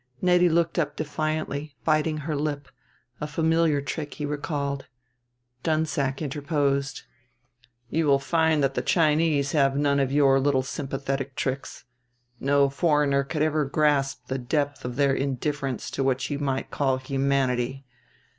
Nettie looked up defiantly, biting her lip a familiar trick, he recalled. Dunsack interposed: "You will find that the Chinese have none of your little sympathetic tricks. No foreigner could ever grasp the depth of their indifference to what you might call humanity.